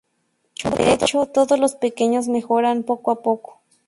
De hecho, todos los pequeños mejoran poco a poco.